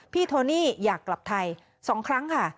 โทนี่อยากกลับไทย๒ครั้งค่ะ